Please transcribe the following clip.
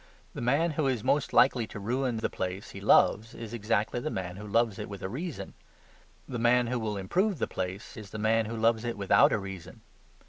The man who is most likely to ruin the place he loves is exactly the man who loves it with a reason. The man who will improve the place is the man who loves it without a reason.